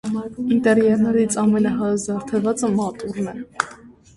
Ինտերիերներից ամենահարուստ զարդարվածը մատուռն է։